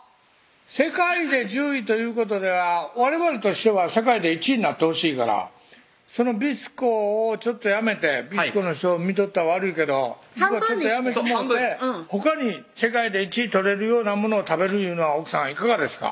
世界で１０位ということではわれわれとしては世界で１位になってほしいからその「ビスコ」をちょっとやめて「ビスコ」の人見とったら悪いけど半分にしてそう半分ほかに世界で１位取れるようなものを食べるいうのは奥さんいかがですか？